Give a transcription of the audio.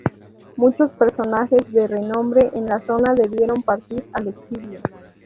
Muchos personajes de renombre en la zona debieron partir al exilio.